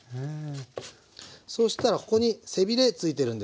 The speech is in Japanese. そうしたらここに背ビレついてるんですよ。